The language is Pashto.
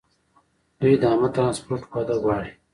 دوی د عامه ټرانسپورټ وده غواړي.